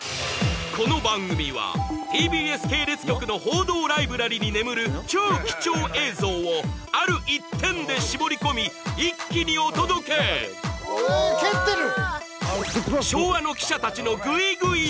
この番組はＴＢＳ系列局の報道ライブラリーに眠る超貴重映像を「ある一点」で絞り込み一気にお届け蹴ってる！